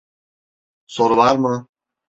Soru var mı?